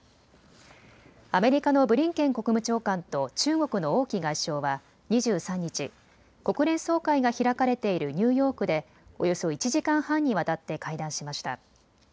アメリカのブリンケン国務長官と中国の王毅外相は２３日、国連総会が開かれているニューヨークでおよそ１時間半にわたって会談しました。